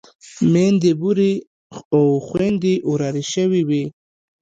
ميندې بورې او خويندې ورارې شوې وې.